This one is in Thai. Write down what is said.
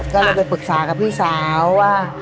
ก็เลยไปปรึกษากับพี่สาวว่า